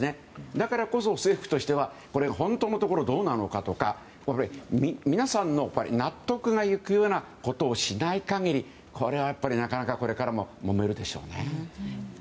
だからこそ、政府としては本当のところどうなのかとか皆さんの納得がいくようなことをしない限りこれはなかなかこれからももめるでしょうね。